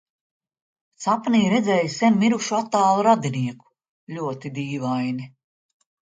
Sapnī redzēju sen mirušu attālu radinieku - ļoti dīvaini.